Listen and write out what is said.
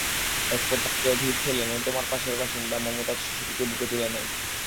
একপর্যায়ে ভিড় ঠেলে নর্দমার পাশের বাসিন্দা মমতাজ শিশুটিকে বুকে তুলে নেন।